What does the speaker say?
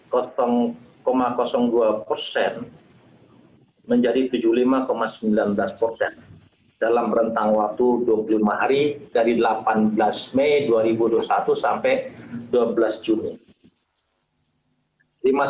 dua persen menjadi tujuh puluh lima sembilan belas persen dalam rentang waktu dua puluh lima hari dari delapan belas mei dua ribu dua puluh satu sampai dua belas juni